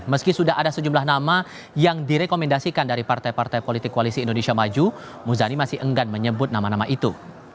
meski sudah ada sejumlah nama yang direkomendasikan dari partai partai politik koalisi indonesia maju muzani masih enggan menyebut nama nama itu